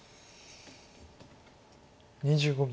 ２５秒。